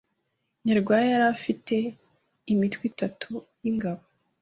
Nyarwaya yari afite imitwe itatu y’ingabo